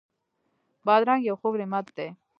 بادرنګ یو خوږ نعمت دی.